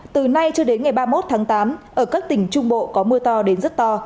từ nay cho đến ngày ba mươi một tháng tám ở các tỉnh trung bộ có mưa to đến rất to